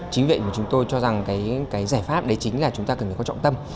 chính vì vậy chúng tôi cho rằng cái giải pháp đấy chính là chúng ta cần có trọng tâm